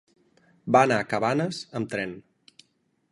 Va anar a Cabanes amb tren.